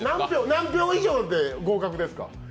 何票以上で合格ですか？